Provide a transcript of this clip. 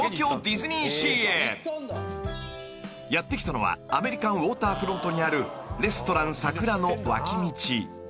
［やって来たのはアメリカンウォーターフロントにあるレストラン櫻の脇道］